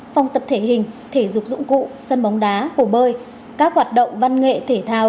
phòng tập thể hình thể dục dụng cụ sân bóng đá hồ bơi các hoạt động văn nghệ thể thao